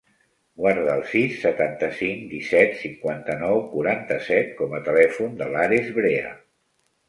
Guarda el sis, setanta-cinc, disset, cinquanta-nou, quaranta-set com a telèfon de l'Ares Brea.